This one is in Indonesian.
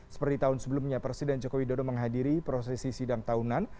seperti tahun sebelumnya presiden joko widodo menghadiri prosesi sidang tahunan